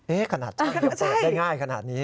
เอ๊ะขนาดช่างเปิดได้ง่ายขนาดนี้